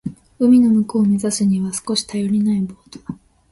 海の向こうを目指すには少し頼りないボートだ。